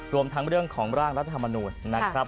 รวมทั้งเรื่องของร่างรัฐธรรมนูญนะครับ